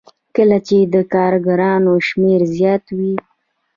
کله چې د کارګرانو شمېر زیات وي